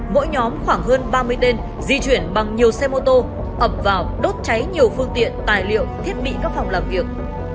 mỗi nhóm khoảng hơn ba mươi tên di chuyển bằng nhiều xe mô tô ập vào đốt cháy nhiều phương tiện tài liệu thiết bị các phòng làm việc